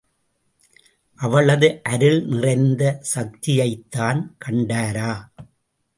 அவளது அருள் நிறைந்த சக்தியைத்தான் கண்டாரா?